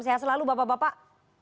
sehat selalu bapak bapak